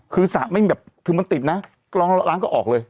คือมันติดนะร้องแล้วล้างก็ออกเลย